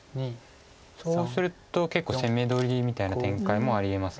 そうすると結構攻め取りみたいな展開もありえます